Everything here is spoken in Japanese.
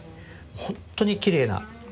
本当にきれいな。